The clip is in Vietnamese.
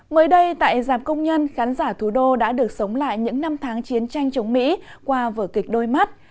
mới đây tại giảm công nhân khán giả thủ đô đã được sống lại những năm tháng chiến tranh chống mỹ qua vở kịch đôi mắt